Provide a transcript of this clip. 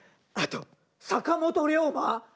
あと坂本龍馬